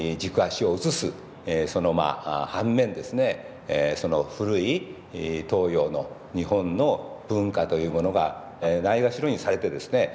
その反面ですね古い東洋の日本の文化というものがないがしろにされてですね